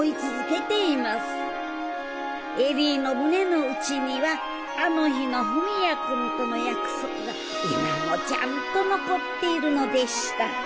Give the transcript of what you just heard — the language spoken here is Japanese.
恵里の胸のうちにはあの日の文也君との約束が今もちゃんと残っているのでした。